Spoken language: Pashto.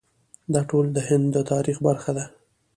دا ټول د هند د تاریخ برخه ده.